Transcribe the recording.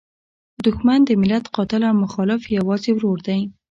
دوښمن د ملت قاتل او مخالف یوازې ورور دی.